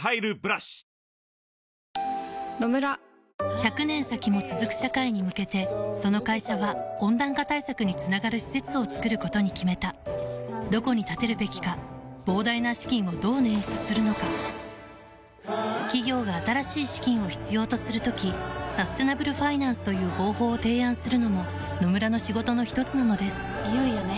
１００年先も続く社会に向けてその会社は温暖化対策につながる施設を作ることに決めたどこに建てるべきか膨大な資金をどう捻出するのか企業が新しい資金を必要とする時サステナブルファイナンスという方法を提案するのも野村の仕事のひとつなのですいよいよね。